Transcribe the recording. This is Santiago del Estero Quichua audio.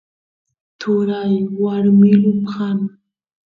turay warmilu kan